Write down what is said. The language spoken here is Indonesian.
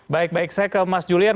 baik baik saya ke mas julian